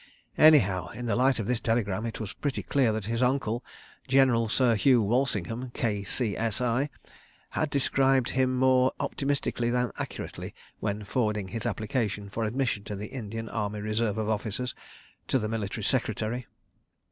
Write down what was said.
... Anyhow, in the light of this telegram, it was pretty clear that his uncle, General Sir Hugh Walsingham, K.C.S.I., had described him more optimistically than accurately when forwarding his application for admission to the Indian Army Reserve of Officers, to the Military Secretary.